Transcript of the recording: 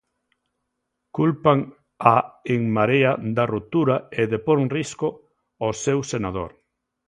Culpan a En Marea da ruptura e de por en risco o seu senador.